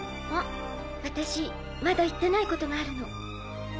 私まだ言ってないことがあるの。